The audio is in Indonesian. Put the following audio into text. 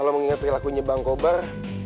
kalau mengingat perilakunya bang kobar